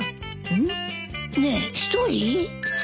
うん？ねえ一人？